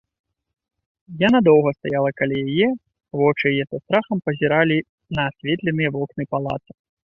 Яна доўга стаяла каля яе, вочы яе са страхам пазіралі на асветленыя вокны палаца.